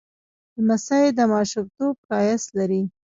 لمسی د ماشومتوب ښایست لري.